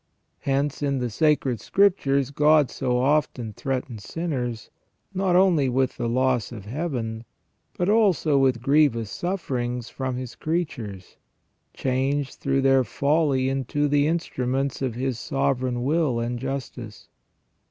Hence in the Sacred Scriptures God so often threatens sinners, not only with the loss of Heaven, but also with grievous sufferings from His creatures, changed through their folly into the instruments of His sovereign will and justice.